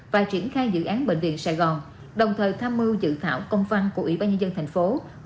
và triển khai dự án bệnh viện sài gòn đồng thời tham mưu dự thảo công văn của ủy ban nhân dân thành phố